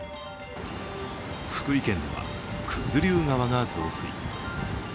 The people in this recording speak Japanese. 福井県では九頭竜川が増水。